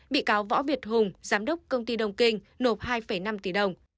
bị cáo võ việt hùng giám đốc công ty đông kinh nộp hai năm tỷ đồng